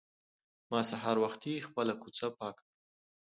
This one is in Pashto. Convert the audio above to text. ما سهار وختي خپله کوڅه پاکه کړه.